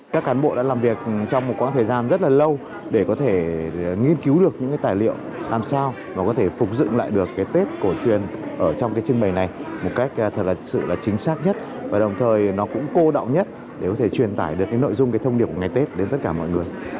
các cán bộ đã làm việc trong một khoảng thời gian rất là lâu để có thể nghiên cứu được những tài liệu làm sao mà có thể phục dựng lại được tết của truyền ở trong trưng bày này một cách thật sự chính xác nhất và đồng thời nó cũng cô đạo nhất để có thể truyền tải được nội dung thông điệp ngày tết đến tất cả mọi người